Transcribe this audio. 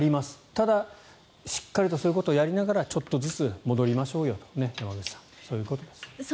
ただ、しっかりとこういうことをやりながら戻しましょうよということです。